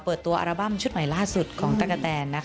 เปิดตัวอัลบั้มชุดใหม่ล่าสุดของตะกะแตน